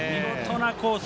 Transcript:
見事なコース。